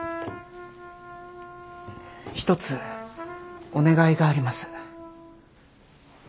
一つお願いがあります。